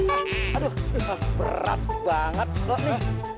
aduh berat banget loh nih